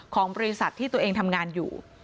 ของบริษัทที่ตัวเองทำงานอยู่